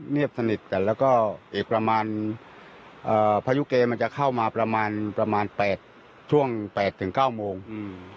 บสนิทกันแล้วก็อีกประมาณเอ่อพายุเกมันจะเข้ามาประมาณประมาณแปดช่วงแปดถึงเก้าโมงอืม